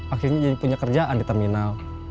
akhirnya jadi punya kerjaan di terminal